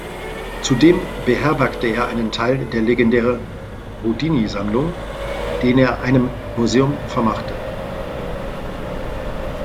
Zudem beherbergte er einen Teil der legendären Houdini-Sammlung, den er einem Museum vermachte.